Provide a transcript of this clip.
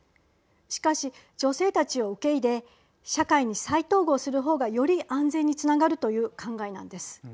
しかし、女性たちを受け入れ社会に再統合するほうがより安全につながるという考えなんです。